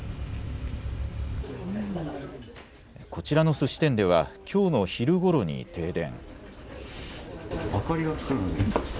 こちらのすし店では、きょうの昼ごろに停電。